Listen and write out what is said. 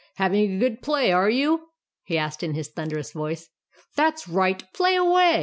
"HAVING A GOOD PLAY, ARE YOU?" he asked in his thunderous voice. "THAT'S RIGHT, PLAY AWAY!